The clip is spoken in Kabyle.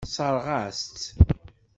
Tessṛeɣ-as-tt.